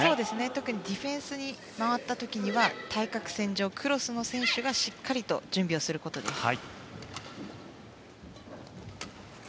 特にディフェンスに回った時には対角線上クロスの選手がしっかり準備することです。